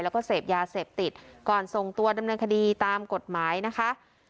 แล้วก็เสพยาเสพติดก่อนส่งตัวดำเนินคดีตามกฎหมายนะคะ